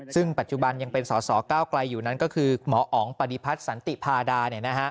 ซึ่งปัจจุบันยังเป็นสอสอก้าวไกลอยู่นั้นก็คือหมออ๋องปฏิพัฒน์สันติพาดา